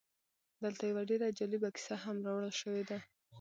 دلته یوه ډېره جالبه کیسه هم راوړل شوې ده